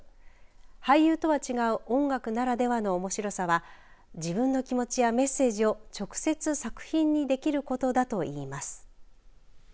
俳優とは違う音楽ならではのおもしろさは自分の気持ちやメッセージを直接作品にできることだといいます。